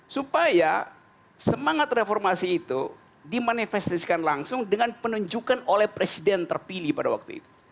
supaya semangat reformasi itu dimanifestasikan langsung dengan penunjukan oleh presiden terpilih pada waktu itu